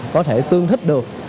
có thể tương thích được